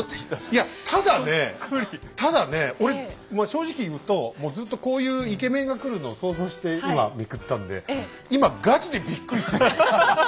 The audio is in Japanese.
いやただねただね俺正直言うともうずっとこういうイケメンが来るのを想像して今めくったんで今ガチでびっくりしてるんです。